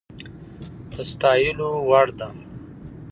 د ستايلو وړ ده